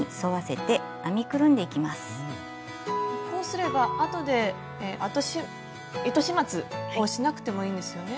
こうすればあとで糸始末をしなくてもいいんですよね。